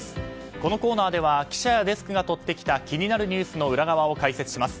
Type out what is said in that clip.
このコーナーでは記者やデスクがとってきた気になるニュースのウラ側を解説します。